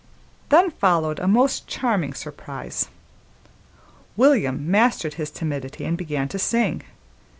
Then followed a most charming surprise. William mastered his timidity and began to sing.